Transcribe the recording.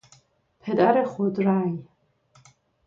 پدر خودرای